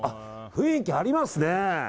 雰囲気ありますね。